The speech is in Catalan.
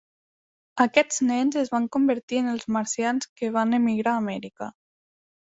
Aquests nens es van convertir en els marcians que van emigrar a Amèrica.